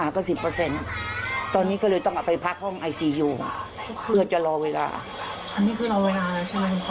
อันนี้คือรอเวลาใช่ไหมครับ